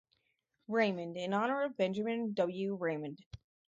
Raymond in honor of Benjamin W. Raymond.